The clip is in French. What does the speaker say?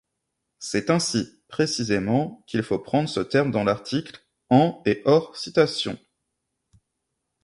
C'est ainsi, précisément, qu'il faut prendre ce terme dans l'article, en et hors citation.